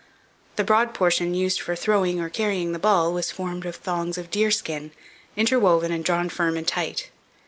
The broad portion used for throwing or carrying the ball was formed of thongs of deerskin, interwoven and drawn firm and tight.